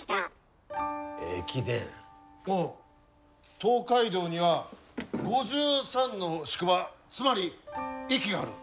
東海道には５３の宿場つまり駅がある。